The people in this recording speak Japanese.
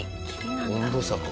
温度差か。